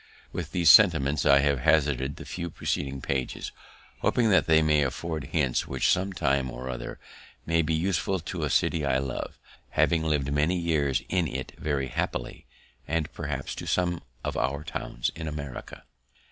With these sentiments I have hazarded the few preceding pages, hoping they may afford hints which some time or other may be useful to a city I love, having lived many years in it very happily, and perhaps to some of our towns in America.